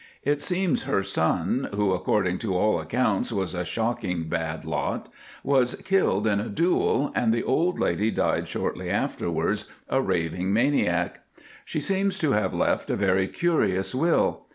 It seems her son, who, according to all accounts, was a shocking bad lot, was killed in a duel, and the old lady died shortly afterwards a raving maniac. She seems to have left a very curious will.